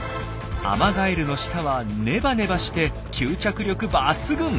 アマガエルの舌はネバネバして吸着力抜群。